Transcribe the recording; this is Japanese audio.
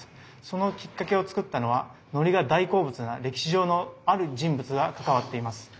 そのきっかけを作ったのはのりが大好物な歴史上のある人物が関わっています。